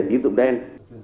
về tín dụng đen